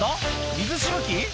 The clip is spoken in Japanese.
水しぶき？